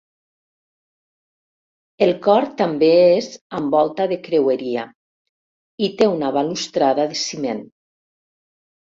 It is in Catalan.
El cor també és amb volta de creueria i té una balustrada de ciment.